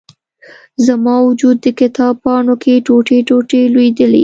زما و جود، د کتاب پاڼو کې، ټوټي، ټوټي لویدلي